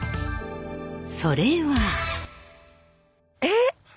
それは。えっ！